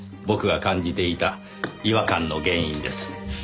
僕が感じていた違和感の原因です。